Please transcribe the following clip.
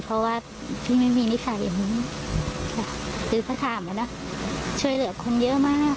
เพราะว่าพี่ไม่มีนิษฐ์หรือพระธามเนอะช่วยเหลือคนเยอะมาก